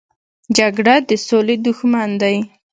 جګړه د سولې دښمن دی